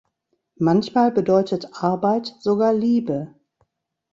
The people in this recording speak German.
Manchmal bedeutet Arbeit sogar Liebe.